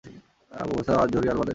Abu Musab az-Zuhri আল-মাদানি